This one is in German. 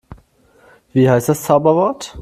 Wie heißt das Zauberwort?